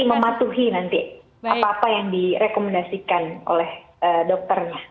jadi mematuhi nanti apa apa yang direkomendasikan oleh dokternya